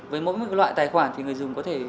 với mỗi một loại tài khoản thì người dùng có thể